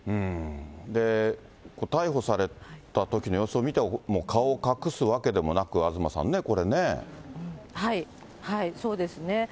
逮捕されたときの様子を見ても、顔を隠すわけでもなく、東さんね、そうですね。